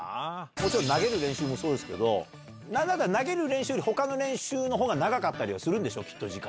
もちろん、投げる練習もそうですけど、なんだったら、投げる練習よりほかの練習のほうが長かったりはするんでしょ、きっと時間。